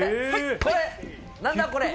これ、なんだこれ？